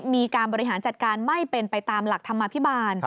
มีการบริหารจัดการไม่เป็นไปตามหลักธรรมภิบาล